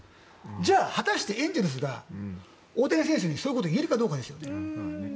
じゃあ、果たしてエンゼルスが大谷選手にそういうことを言えるかどうかです。